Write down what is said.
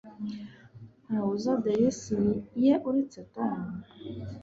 Ntawe uzi aderesi ye uretse Tom